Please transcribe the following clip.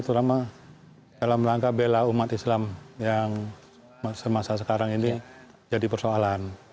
terutama dalam rangka bela umat islam yang semasa sekarang ini jadi persoalan